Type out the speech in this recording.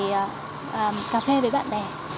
cũng phải cà phê với bạn bè